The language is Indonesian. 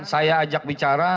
saya ajak bicara